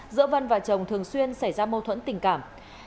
giữa vân và chồng thường xuyên xảy ra mâu thuẫn tình cảm